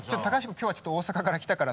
今日はちょっと大阪から来たから。